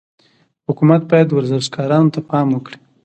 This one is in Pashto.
حکومت باید ورزشکارانو ته پام وکړي.